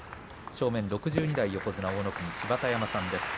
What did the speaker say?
正面６２代横綱大乃国芝田山さんです。